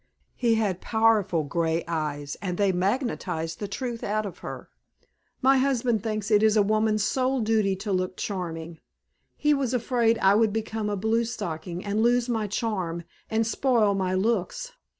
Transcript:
He had powerful gray eyes and they magnetized the truth out of her. "My husband thinks it is a woman's sole duty to look charming. He was afraid I would become a bluestocking and lose my charm and spoil my looks.